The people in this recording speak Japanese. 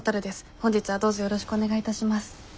本日はどうぞよろしくお願いいたします。